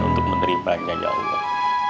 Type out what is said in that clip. untuk menerimanya ya allah